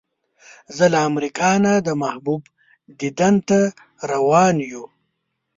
زه له امریکا نه د محبوب دیدن ته روان یو.